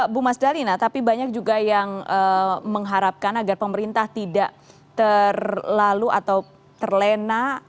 bu mas dalina tapi banyak juga yang mengharapkan agar pemerintah tidak terlalu atau terlena